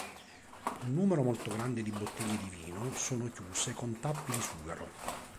Un numero molto grande di bottiglie di vino sono chiuse con tappi di sughero.